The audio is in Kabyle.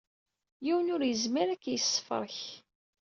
Yiwen ur yezmir ad k-yessefrek!